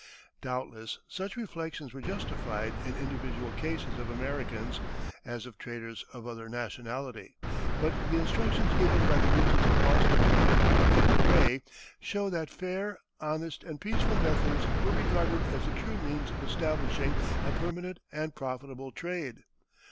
Doubtless such reflections were justified in individual cases of Americans, as of traders of other nationality; but the instructions given by the merchants of Boston to Kendrick and Gray show that fair, honest, and peaceful methods were regarded as the true means of establishing a permanent and profitable trade.